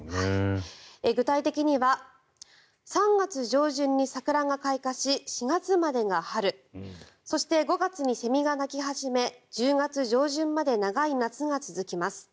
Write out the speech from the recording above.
具体的には３月上旬に桜が開花し４月までが春そして、５月にセミが鳴き始め１０月上旬まで長い夏が続きます。